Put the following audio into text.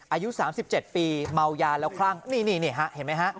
อายุ๓๗ปีเมายาแล้วคลั่งนี่ฮะเห็นไหมฮะ